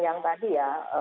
yang tadi ya